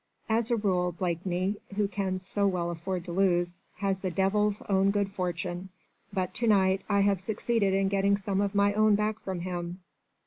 As a rule Blakeney, who can so well afford to lose, has the devil's own good fortune, but to night I have succeeded in getting some of my own back from him.